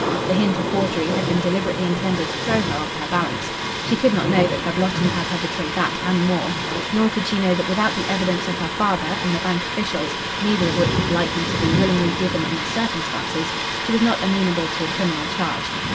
The hint of forgery had been deliberately intended to throw her off her balance. She could not know that her blotting pad had betrayed that and more. Nor could she know that without the evidence of her father and the bank officials neither of which was likely to be willingly given in the circumstances she was not amenable to a criminal charge.